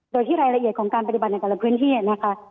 โดยที่รายละเอียดของการปฏิบัติในแต่ละพื้นที่นะคะ